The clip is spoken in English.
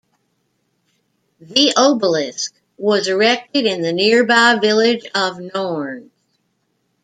The obelisk was erected in the nearby village of Nornes.